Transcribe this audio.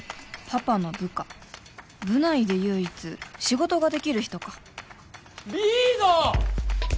パパの部下部内で唯一仕事ができる人かリーダー！